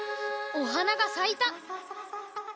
おはながさいた。